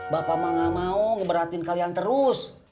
bapak mau gak mau ngeberatin kalian terus